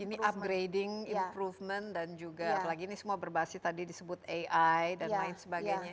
ini upgrading improvement dan juga apalagi ini semua berbasis tadi disebut ai dan lain sebagainya